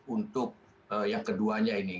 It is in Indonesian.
untuk yang keduanya ini